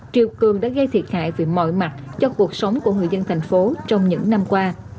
triều cường đã gây thiệt hại về mọi mặt cho cuộc sống của người dân thành phố trong những năm qua